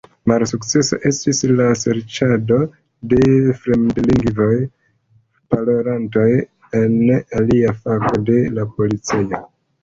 Malsukcesa estis la serĉado de fremdlingvaj parolantoj en aliaj fakoj de la policejo.